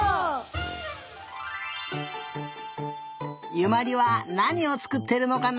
由茉莉はなにをつくってるのかな？